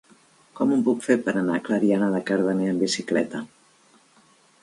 Com ho puc fer per anar a Clariana de Cardener amb bicicleta?